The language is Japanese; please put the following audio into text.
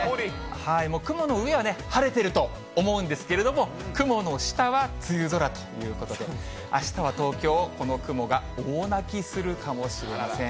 もう雲の上はね、晴れてると思うんですけれども、雲の下は梅雨空ということで、あしたは東京、この雲が大泣きするかもしれません。